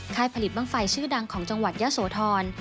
ผลิตบ้างไฟชื่อดังของจังหวัดยะโสธร